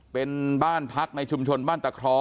เป็นบ้านพักในชุมชนบ้านตะครอ